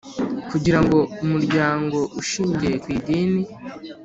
Kugira ngo umuryango ushingiye ku idini